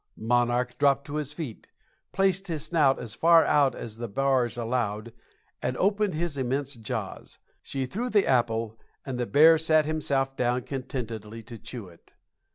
"Monarch" dropped to his feet, placed his snout as far out as the bars allowed, and opened his immense jaws. She threw the apple, and the bear sat himself down contentedly to chew it.